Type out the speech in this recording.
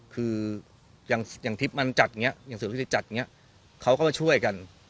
คืออย่างอย่างทริปมันจัดอย่างเสือดุสิตจัดอย่างเงี้ยเขาก็มาช่วยกัน